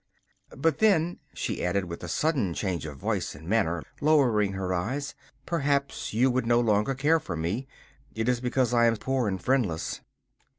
But then.' she added, with a sudden change of voice and manner, lowering her eyes, 'perhaps you would no longer care for me. It is because I am poor and friendless.